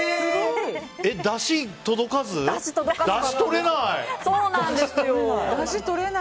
だし届かず？だし、とれない！